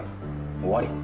終わり！